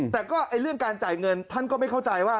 แต่ก็เรื่องการจ่ายเงินท่านก็ไม่เข้าใจว่า